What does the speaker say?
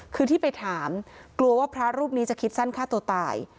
คือที่ไปถามกลัวว่าพระรูปนี้จะคิดสั้นฆ่าตัวตาย